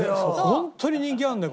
ホントに人気あるんだよ